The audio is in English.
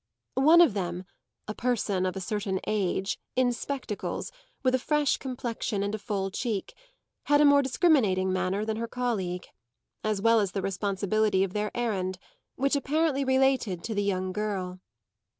One of them, a person of a certain age, in spectacles, with a fresh complexion and a full cheek, had a more discriminating manner than her colleague, as well as the responsibility of their errand, which apparently related to the young girl.